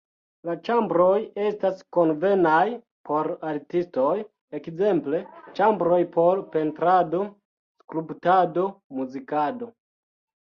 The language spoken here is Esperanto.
La ĉambroj estas konvenaj por artistoj, ekzemple ĉambroj por pentrado, skulptado, muzikado.